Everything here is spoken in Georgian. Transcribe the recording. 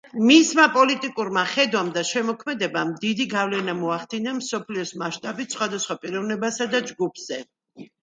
მისმა პოლიტიკურმა ხედვამ და შემოქმედებამ დიდი გავლენა მოახდინა მსოფლიო მასშტაბით სხვადასხვა პიროვნებასა და ჯგუფზე.